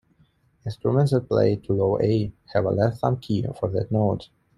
Instruments that play to low A have a left thumb key for that note.